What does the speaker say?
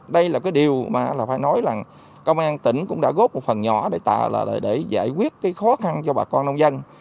đây là điều mà phải nói là công an tỉnh cũng đã góp một phần nhỏ để giải quyết khó khăn cho bà con nông dân